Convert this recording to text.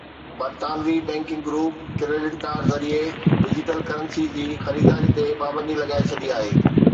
برطانوي banking group credit card ذريعي digital currency جي خريداري تي پابندي لڳائي ڇڏي آهي